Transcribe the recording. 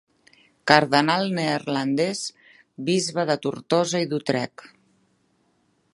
Cardenal neerlandès, bisbe de Tortosa i d'Utrecht.